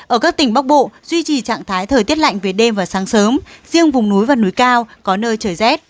ở các tỉnh bắc bộ duy trì trạng thái thời tiết lạnh về đêm và sáng sớm riêng vùng núi và núi cao có nơi trời rét